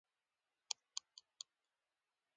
اکبر جان خپل سر ته دوه ډزي ټوپک اېښی و.